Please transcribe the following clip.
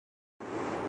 معمول کبھی ‘‘۔